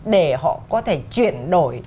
để họ có thể chuyển đổi